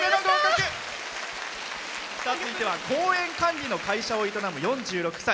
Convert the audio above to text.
続いては公園管理の会社を営む４６歳。